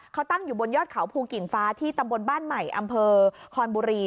เขาตั้งอยู่บนยอดเขาภูกิ่งฟ้าที่ตำบลบ้านใหม่อำเภอคอนบุรี